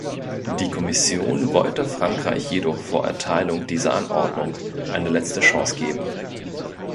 Die Kommission wollte Frankreich jedoch vor Erteilung dieser Anordnung eine letzte Chance geben.